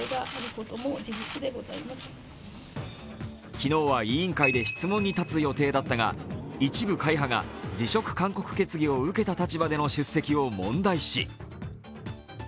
昨日は委員会で質問に立つ予定だったが、一部会派が辞職勧告決議を受けた立場での出席を問題視。